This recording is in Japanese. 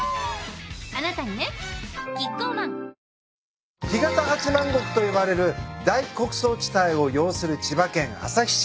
あなたにねキッコーマン干潟八万石と呼ばれる大穀倉地帯を擁する千葉県旭市。